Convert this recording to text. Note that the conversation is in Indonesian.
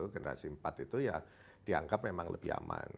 generasi empat itu ya dianggap memang lebih aman